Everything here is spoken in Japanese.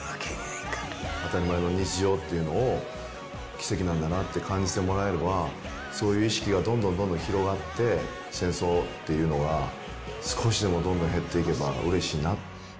当たり前の日常っていうのを、奇跡なんだなって感じてもらえれば、そういう意識がどんどんどんどん広がって、戦争っていうのが少しでもどんどん減っていけばうれしいな。